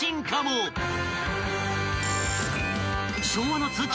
［昭和の通勤